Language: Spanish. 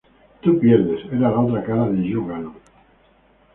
Tú pierdes, era la otra cara de Yo gano.